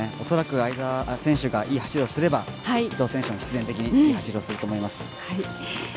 恐らく相澤選手がいい走りをすれば伊藤選手も必然的にいい走りをすると思います。